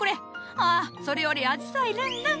ああそれよりあじさいるんるん。